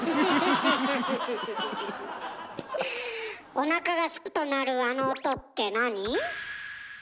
おなかがすくと鳴るあの音ってなに？